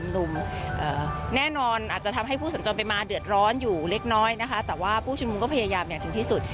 ะ์แน่นอนอาจจะทำให้ผู้ส่งไปมาเดือดร้อนอยู่เล็กน้อยนะคะแต่ว่าพวกก็พยายามอยู่ที่ที่สุด